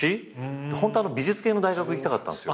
ホントは美術系の大学行きたかったんですよ。